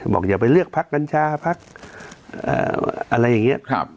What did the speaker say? บอกอย่าไปเลือกพักกัญชาพักเอ่ออะไรอย่างเงี้ยครับ